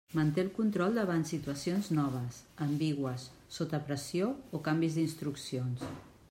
Manté el control davant situacions noves, ambigües, sota pressió o canvis d'instruccions.